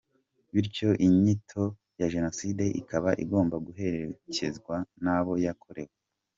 Bityo inyito ya Jenoside ikaba igomba guherekezwa n’abo yakorewe.